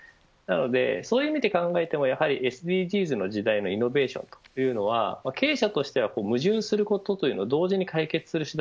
そういう意味で考えてもＳＤＧｓの時代のイノベーションというのは、経営者としては矛盾することというのを同時に解決できる手段